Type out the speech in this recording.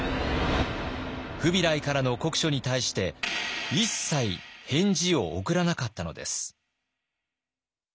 フビライからの国書に対して一切返事を送らなかったのです。